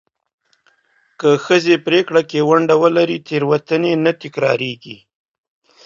که ښځې پرېکړه کې ونډه ولري، تېروتنې نه تکرارېږي.